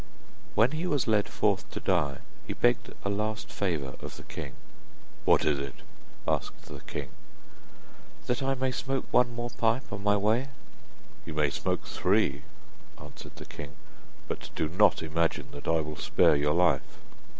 When he was led forth to die, he begged a last favour of the king. 'What is it?' asked the king. 'That I may smoke one more pipe on my way.' 'You may smoke three,' answered the king, 'but do not imagine that I will spare your life.